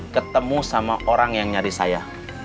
ketemu sama orang yang nyari saya